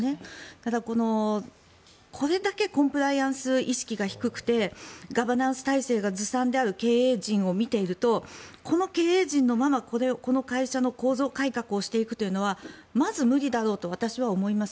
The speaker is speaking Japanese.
ただ、これだけコンプライアンス意識が低くてガバナンス体制がずさんである経営陣を見ているとこの経営陣のままこの会社の構造改革をしていくというのはまず無理だろうと私は思います。